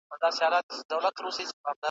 زه پوهېږم نیت دي کړی د داړلو .